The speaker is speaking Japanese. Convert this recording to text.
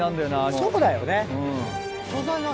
そうだよね。